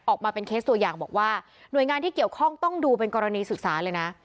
ออกมาเป็นเคสตัวอย่างบอกว่าหน่วยงานที่เกี่ยวข้องต้องดูเป็นกรณีศึกษาเลยนะ